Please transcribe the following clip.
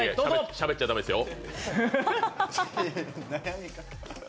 しゃべっちゃ駄目ですよ。